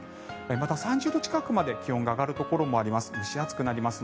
また、３０度近くまで気温が上がるところもあります。